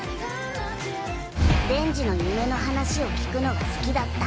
デンジの夢の話を聞くのが好きだった。